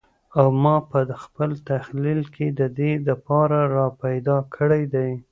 او ماپه خپل تخیل کی ددې د پاره را پیدا کړی دی